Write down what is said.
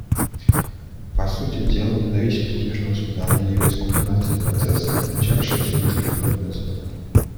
По сути дела, независимость Южного Судана явилась кульминацией процесса, начавшегося несколько лет назад.